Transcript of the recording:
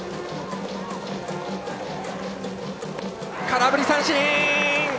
空振り三振！